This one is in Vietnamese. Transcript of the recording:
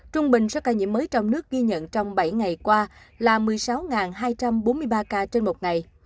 trung bình số ca nhiễm mới trong nước ghi nhận trong bảy ngày qua là một mươi sáu hai trăm bốn mươi ba ca trên một ngày